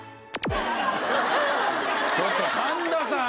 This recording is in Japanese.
ちょっと神田さん！